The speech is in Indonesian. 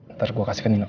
ntar gua kasihkan ini nek